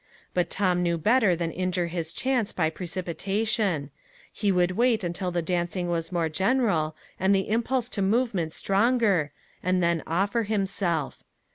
But Tom knew better than injure his chance by precipitation: he would wait until the dancing was more general, and the impulse to movement stronger, and then offer himself.